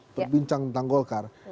untuk bincang tentang golkar